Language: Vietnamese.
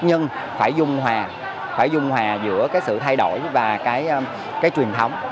nhưng phải dung hòa phải dung hòa giữa sự thay đổi và cái truyền thống